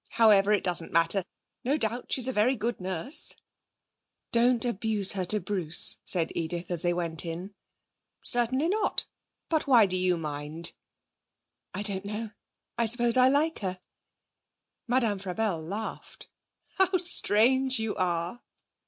However, it doesn't matter. No doubt she's a very good nurse.' 'Don't abuse her to Bruce,' said Edith, as they went in. 'Certainly not. But why do you mind?' 'I don't know; I suppose I like her.' Madame Frabelle laughed. 'How strange you are!'